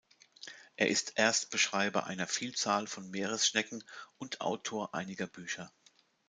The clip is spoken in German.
Er ist Erstbeschreiber einer Vielzahl von Meeresschnecken und Autor einiger Bücher.